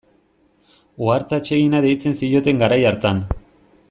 Uharte atsegina deitzen zioten garai hartan.